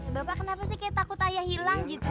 bapak kenapa sih kayak takut ayah hilang gitu